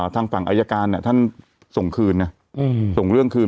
ทางฝั่งอายการท่านส่งคืนนะส่งเรื่องคืน